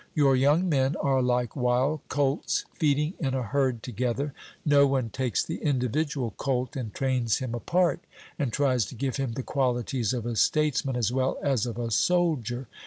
Your young men are like wild colts feeding in a herd together; no one takes the individual colt and trains him apart, and tries to give him the qualities of a statesman as well as of a soldier.